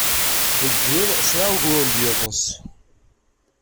Deg yiḍ, sɛiɣ uguren d yiḍes.